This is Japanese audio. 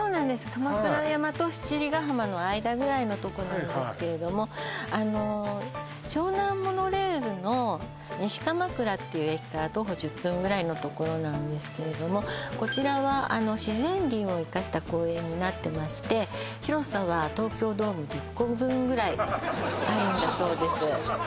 鎌倉山と七里ヶ浜の間ぐらいのとこなんですけれどもあの湘南モノレールの西鎌倉っていう駅から徒歩１０分ぐらいのところなんですけれどもこちらは自然林を生かした公園になってまして広さはあるんだそうです